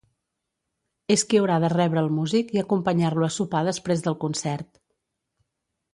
És qui haurà de rebre el músic i acompanyar-lo a sopar després del concert